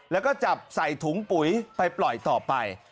แล้วก็จับใส่ถุงปุ๋ยไปปล่อยต่อไป